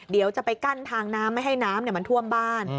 เดี๋ยวจะไปกั้นทางน้ำไม่ให้น้ำมันท่วมบ้าน